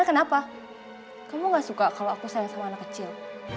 aku gak pernah tau kalau kamu suka sama anak anak